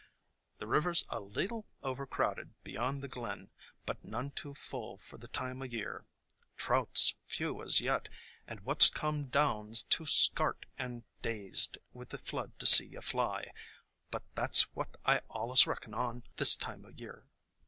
"The river 's a leetle overcrowded beyond the glen, but none too full for the time o' year. Trout 's few as yet, and what 's come down 's too skart and dazed with the flood to see a fly, but that 's what I allus reckon on, this time o'year!"